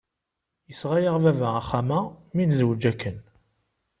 Yesɣa-yaɣ baba axxam-a mi nezweǧ akken.